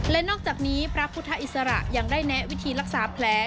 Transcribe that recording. และนอกจากนี้พระพุทธอิสระยังได้แนะวิธีรักษาแผล